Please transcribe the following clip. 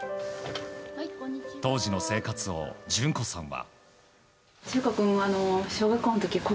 当時の生活を淳子さんは。